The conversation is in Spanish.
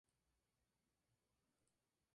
Las visitas son siempre guiadas.